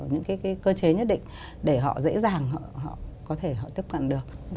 những cái cơ chế nhất định để họ dễ dàng họ có thể họ tiếp cận được